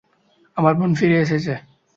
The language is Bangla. আমার বোন ফিরে এসেছে!